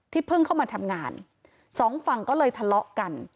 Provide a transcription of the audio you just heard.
เพิ่งเข้ามาทำงานสองฝั่งก็เลยทะเลาะกัน